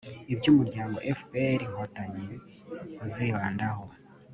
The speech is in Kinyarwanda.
ibyo umuryango fpr-inkotanyi uzibandaho